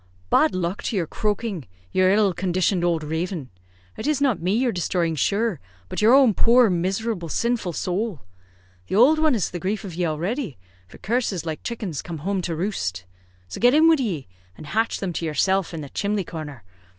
"Bad luck to yer croaking, yer ill conditioned owld raven. It is not me you are desthroying shure, but yer own poor miserable sinful sowl. The owld one has the grief of ye already, for 'curses, like chickens, come home to roost'; so get in wid ye, and hatch them to yerself in the chimley corner.